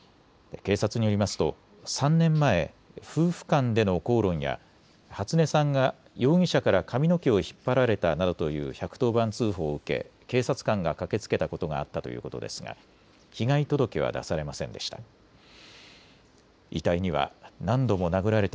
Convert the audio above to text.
警察によりますと３年前、夫婦間での口論や初音さんが容疑者から髪の毛を引っ張られたなどという１１０番通報を受け、警察官が駆けつけたことがあったということですが被害届は出されませんでした。